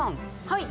はい。